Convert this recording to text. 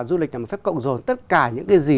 du lịch là một phép cộng rồi tất cả những cái gì